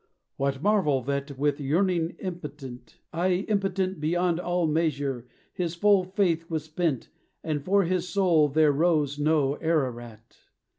What marvel that, With yearning impotent, ay, impotent Beyond all measure! his full faith was spent, And for his soul there rose no Ararat?